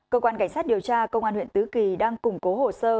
cơ quan cảnh sát điều tra công an huyện tứ kỳ đang củng cố hồ sơ